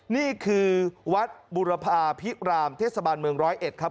นี่คือวัดบุรพาพิรามเทศบาลเมืองร้อยเอ็ดครับ